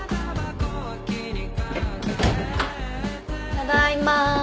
ただいま。